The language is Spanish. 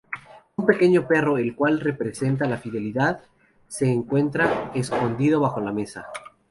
Un pequeño perro, el cual representa la fidelidad, se encuentra escondido bajo la mesa.